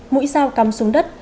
mũi dao cắm xuống đất